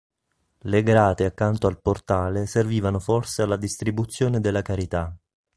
Le grate accanto al portale servivano forse alla distribuzione della carità.